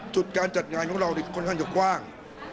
จุดการจัดงานของเราค่อนข้างจะกว้าง